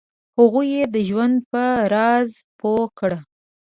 هغوی یې د ژوند په راز پوه کړه.